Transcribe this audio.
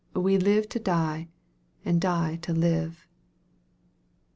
We live to die and die to live."